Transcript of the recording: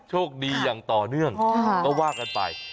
โชคดีอย่างต่อเนื่องก็ว่ากันไป